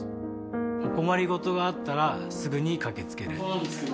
お困り事があったらすぐに駆け付ける